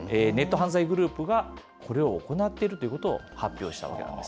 犯罪グループがこれを行っているということを発表したわけなんです。